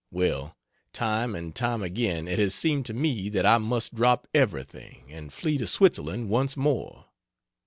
Well, time and time again it has seemed to me that I must drop everything and flee to Switzerland once more.